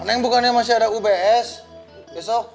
neng bukannya masih ada ubs besok